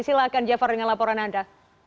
silahkan jafar dengan laporan anda